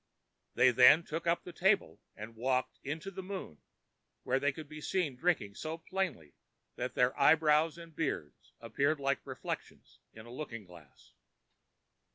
ã They then took up the table and walked into the moon where they could be seen drinking so plainly, that their eyebrows and beards appeared like reflections in a looking glass.